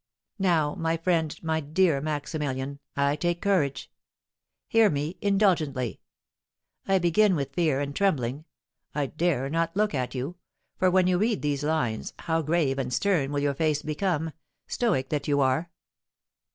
Now, my friend, my dear Maximilian, I take courage. Hear me indulgently; I begin with fear and trembling I dare not look at you, for when you read these lines, how grave and stern will your face become, stoic that you are!